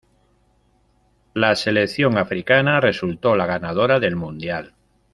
La selección africana resultó la ganadora del Mundial.